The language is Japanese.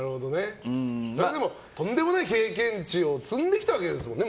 それでもとんでもない経験値を積んできたわけですよね。